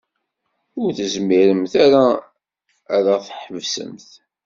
Ur tezmiremt ara ad ɣ-tḥebsemt.